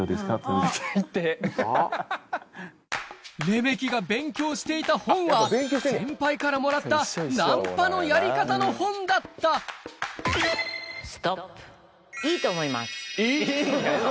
レメキが勉強していた本は先輩からもらったナンパのやり方の本だったいい？